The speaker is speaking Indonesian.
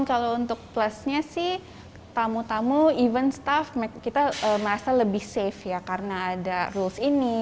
kalau untuk plusnya sih tamu tamu even staff kita merasa lebih safe ya karena ada rules ini